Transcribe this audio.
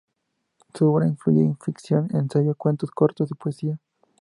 Su obra incluye ficción, ensayo, cuentos cortos y poesía.